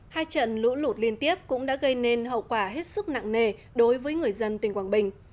hai trận lũ lụt liên tiếp cũng đã gây nên hậu quả hết sức nặng nề đối với người dân tỉnh quảng bình